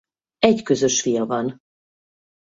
Egy közös fia van.